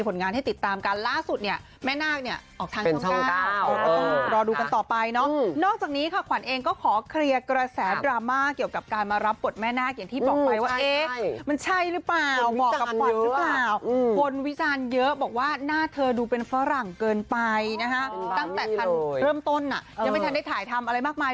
หลังเกินไปนะฮะตั้งแต่ทันเริ่มต้นยังไม่ทันได้ถ่ายทำอะไรมากมาย